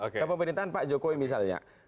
ke pemerintahan pak jokowi misalnya